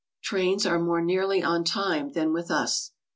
Trains are more nearly on time than with us.